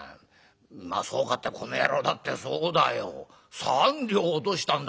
まあそうかってこの野郎だってそうだよ三両落としたんだからね